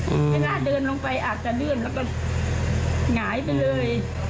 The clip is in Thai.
เวลาเดินลงไปอาจจะลื่นแล้วก็หงายไปเลย